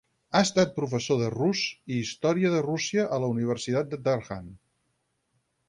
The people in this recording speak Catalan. Ha estat professor de rus i història de Rússia a la Universitat de Durham.